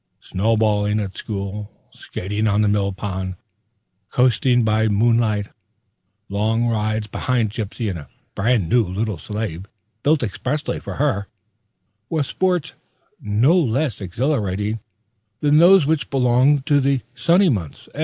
Snow balling at school, skating on the Mill Pond, coasting by moonlight, long rides behind Gypsy in a brand new little sleigh built expressly for her, were sports no less exhilarating than those which belonged to the sunny months.